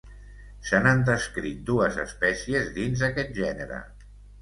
Se n'han descrit dues espècies dins aquest gènere.